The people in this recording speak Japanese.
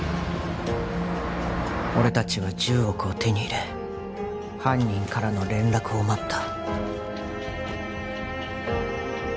俺達は１０億を手に入れ犯人からの連絡を待った